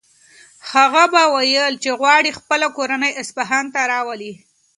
هغه به ویل چې غواړي خپله کورنۍ اصفهان ته راولي.